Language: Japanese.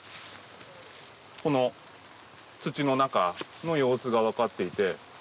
この土の中の様子が分かっていて。